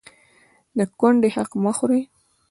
د کونډې حق مه خورئ